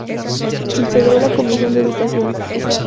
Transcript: Integró la comisión de Educación.